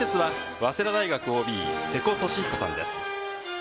解説は早稲田大学ＯＢ、瀬古利彦さんです。